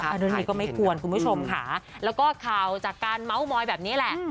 อันนี้ก็ไม่ควรคุณผู้ชมค่ะแล้วก็ข่าวจากการเมาส์มอยแบบนี้แหละ